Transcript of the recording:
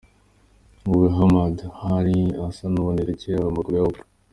Nguwo Hamad, hano yari asa n'ubonekewe kubera amaguru ya Oprah.